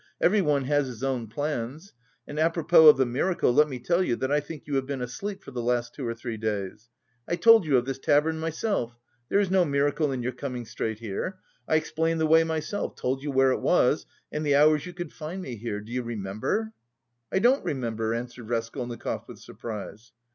Everyone has his own plans. And apropos of the miracle let me tell you that I think you have been asleep for the last two or three days. I told you of this tavern myself, there is no miracle in your coming straight here. I explained the way myself, told you where it was, and the hours you could find me here. Do you remember?" "I don't remember," answered Raskolnikov with surprise.